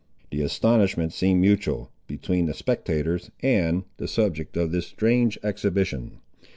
The astonishment seemed mutual, between the spectators and the subject of this strange exhibition.